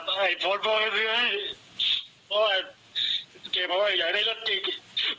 แต่ว่าผมก็เข้าใจอยู่เพราะลูกมันเป็นใบรุ่นมันอยากรู้อยากเห็น